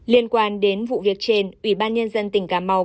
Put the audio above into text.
liên quan đến vụ việc trên